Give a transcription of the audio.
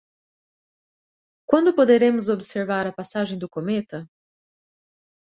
Quando poderemos observar a passagem do cometa?